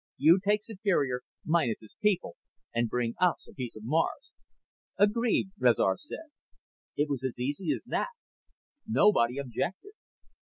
You take Superior, minus its people, and bring us a piece of Mars." "Agreed," Rezar said. It was as easy as that. Nobody objected.